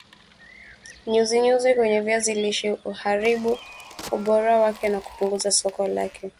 nyuzi nyuzi kwenye viazi lishe uharibu ubora wake na kupunguza soko lake